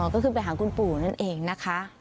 ก็คือไปหาคุณปู่นั่นเองนะคะ